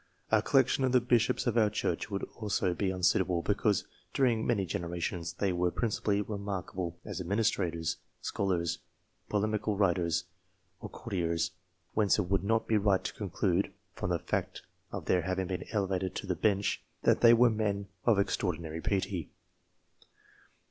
A collection of the Bishops of our Church would also be unsuitable, because, during many generations, they were principally remarkable as administrators, scholars, polemical writers, or courtiers ; whence it would not be right to conclude, from the fact of their having been elevated to the Bench, that they were men of extraordinary piety.